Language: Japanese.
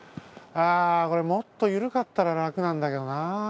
ああこれもっとゆるかったららくなんだけどな。